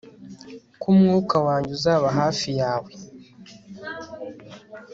ko umwuka wanjye uzaba hafi yawe